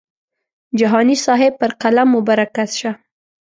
جهاني صاحب پر قلم مو برکت شه.